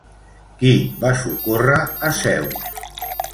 Qui va socórrer a Zeus?